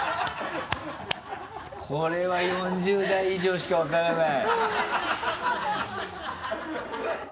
これは４０代以上しか分からない。